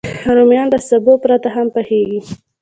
رومیان له سابه پرته هم پخېږي